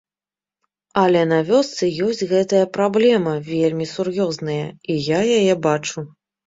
Але на вёсцы ёсць гэтая праблема, вельмі сур'ёзная, і я яе бачу.